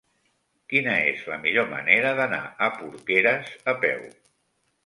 Quina és la millor manera d'anar a Porqueres a peu?